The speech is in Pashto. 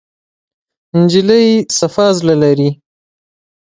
نجلۍ د زړه صفا لري.